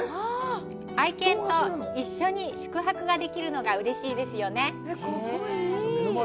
愛犬と一緒に宿泊できるのがうれしいですよね。